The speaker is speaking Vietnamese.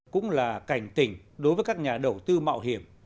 cũng là cảnh tỉnh đối với các nhà đầu tư mạo hiểm